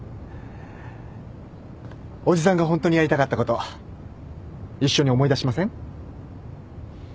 叔父さんがホントにやりたかったこと一緒に思い出しません？